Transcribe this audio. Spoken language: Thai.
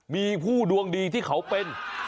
มีผู้ดวงดีที่เขาเป็น